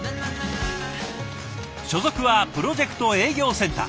所属はプロジェクト営業センター。